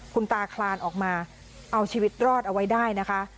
คุณตาคลานออกมาเอาชีวิตรอดเอาไว้ได้นะคะ